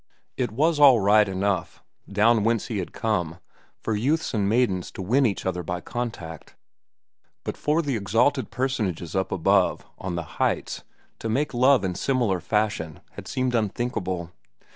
It was all right enough, down whence he had come, for youths and maidens to win each other by contact; but for the exalted personages up above on the heights to make love in similar fashion had seemed unthinkable.